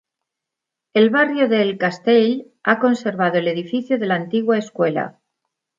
El barrio de El Castell ha conservado el edificio de la antigua escuela.